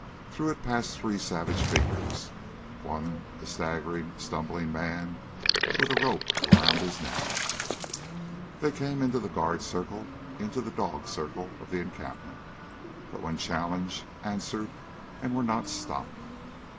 Through it passed three savage figures, one a staggering, stumbling man with a rope around his neck. They came into the guard circle, into the dog circle of the encampment; but when challenged answered, and were not stopped.